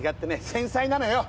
繊細なのよ